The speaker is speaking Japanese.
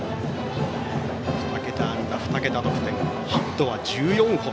２桁安打２桁得点ヒットは１４本。